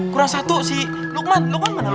kurang satu si lukman lukman mana